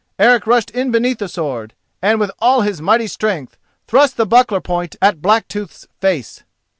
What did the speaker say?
Eric rushed in beneath the sword, and with all his mighty strength thrust the buckler point at Blacktooth's face.